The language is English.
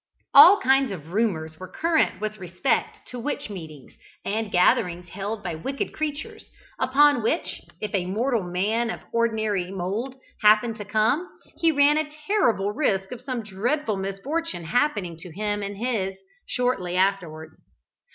All kinds of rumours were current with respect to witch meetings, and gatherings held by wicked creatures, upon which, if a mortal man of ordinary mould happened to come, he ran a terrible risk of some dreadful misfortune happening to him and his, shortly afterwards.